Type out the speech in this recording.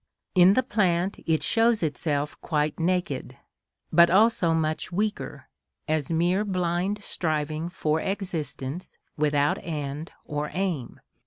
In the plant it shows itself quite naked, but also much weaker, as mere blind striving for existence without end or aim.